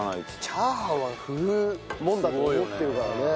炒飯は振るもんだと思ってるからね。